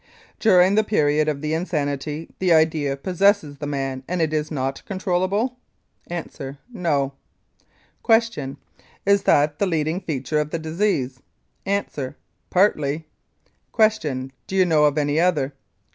During the period of the insanity the idea possesses the man and it is not controllable? A. No. Q. Is that the leading feature of the disease? A. Partly. Q. Do you know of any other?